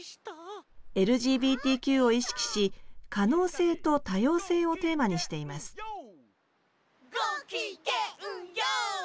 ＬＧＢＴＱを意識し可能性と多様性をテーマにしていますごきげんＹＯ！